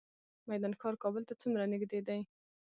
میدان ښار کابل ته څومره نږدې دی؟